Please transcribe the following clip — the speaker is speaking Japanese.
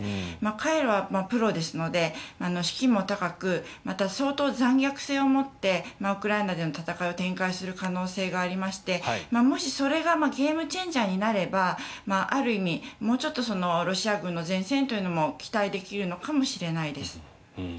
彼らはプロですので士気も高くまた相当残虐性を持ってウクライナでの戦いを展開する可能性がありましてもし、それがゲームチェンジャーになればある意味もうちょっとロシア軍の善戦というのも期待できるのかもしれないです。